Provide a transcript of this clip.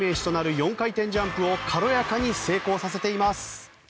４回転ジャンプを軽やかに成功させています。